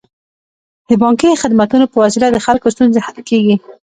د بانکي خدمتونو په وسیله د خلکو ستونزې حل کیږي.